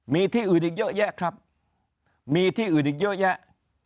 มีที่อื่นอีกเยอะแยะครับมีที่อื่นอีกเยอะแยะ